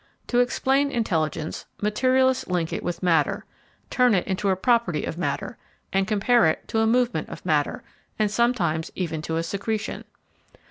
To explain intelligence, materialists link it with matter, turn it into a property of matter, and compare it to a movement of matter, and sometimes even to a secretion.